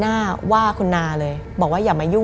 มันกลายเป็นรูปของคนที่กำลังขโมยคิ้วแล้วก็ร้องไห้อยู่